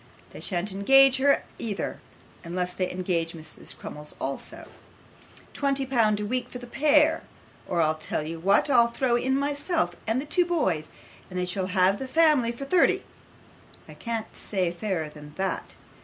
They shan't engage her either, unless they engage Mrs. Crummles too twenty pound a week for the pair; or I'll tell you what, I'll throw in myself and the two boys, and they shall have the family for thirty. I can't say fairer than that.